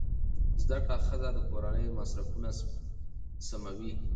زده کړه ښځه د کورنۍ مصرفونه سموي.